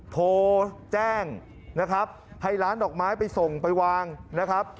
โทรแจ้งนะครับให้ร้านดอกไม้ไปส่งไปวางนะครับ